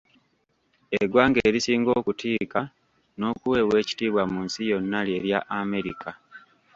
Eggwanga erisinga okutiika n'okuweebwa ekitibwa mu nsi yonna lye lya America.